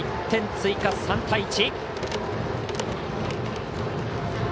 １点追加、３対１。